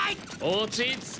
落ち着け。